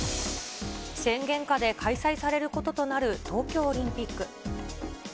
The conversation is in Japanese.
宣言下で開催されることとなる東京オリンピック。